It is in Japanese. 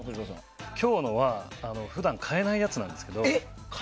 今日のは普段買えないやつなんですけど。